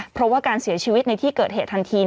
เพราะว่าการเสียชีวิตในที่เกิดเหตุทันที